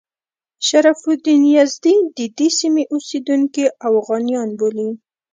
شرف الدین یزدي د دې سیمې اوسیدونکي اوغانیان بولي.